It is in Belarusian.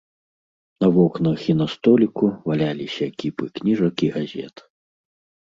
На вокнах і на століку валяліся кіпы кніжак і газет.